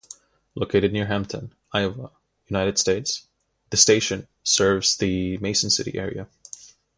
Located near Hampton, Iowa, United States, the station serves the Mason City area.